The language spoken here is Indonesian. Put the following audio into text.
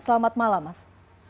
selamat malam mas